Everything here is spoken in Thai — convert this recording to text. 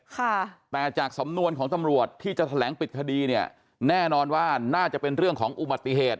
ค่ะแต่จากสำนวนของตำรวจที่จะแถลงปิดคดีเนี่ยแน่นอนว่าน่าจะเป็นเรื่องของอุบัติเหตุ